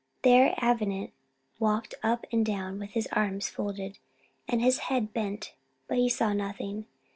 There Avenant walked up and down, with his arms folded and his head bent, but saw nothing.